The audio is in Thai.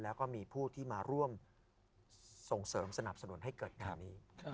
แล้วก็มีผู้ที่มาร่วมส่งเสริมสนับสนุนให้เกิดงานนี้